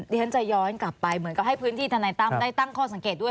ฉันจะย้อนกลับไปเหมือนกับให้พื้นที่ธนายตั้มได้ตั้งข้อสังเกตด้วย